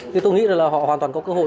tôi nghĩ là họ hoàn toàn có cơ hội